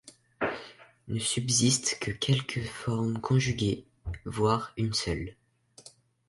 Ne subsistent que quelques formes conjuguées, voire une seule.